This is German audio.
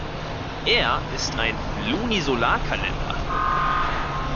Er ist ein Lunisolarkalender.